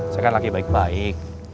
saya kan lagi baik baik